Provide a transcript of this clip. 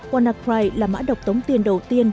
wannacry là mã độc tống tiền đầu tiên